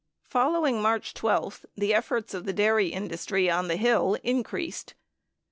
Following March 12, the efforts of the dairy industry on the Hill increased.